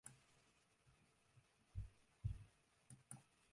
Tradisjoneel wie pinkstermoandei de wichtichste dei fan it Pinkpopfestival.